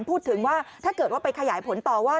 พูดถึงว่าถ้าเกิดว่าไปขยายผลต่อว่า